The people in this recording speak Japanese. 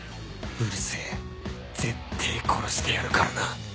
うるせぇぜってぇ殺してやるからな